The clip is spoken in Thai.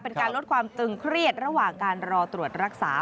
เป็นการลดความตึงเครียดระหว่างการรอตรวจรักษา